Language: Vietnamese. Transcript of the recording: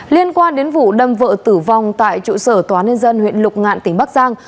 liên quan đến vụ đâm vợ tử vong tại trụ sở tòa nhân dân huyện lục ngạn tỉnh bắc giang